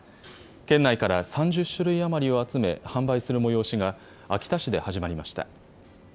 県内から３０種類余りを集め、販売する催しが、秋田市で始まりました。